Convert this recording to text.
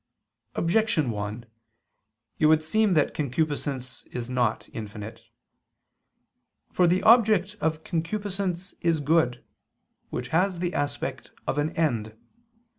Objection 1: It would seem that concupiscence is not infinite. For the object of concupiscence is good, which has the aspect of an end.